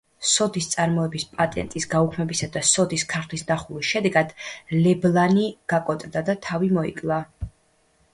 სოდის წარმოების პატენტის გაუქმებისა და სოდის ქარხნის დახურვის შედეგად ლებლანი გაკოტრდა და თავი მოიკლა.